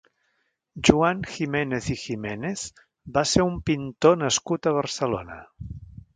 Joan Giménez i Giménez va ser un pintor nascut a Barcelona.